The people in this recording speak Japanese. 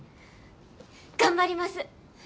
頑張ります。